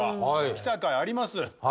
来たかいあります。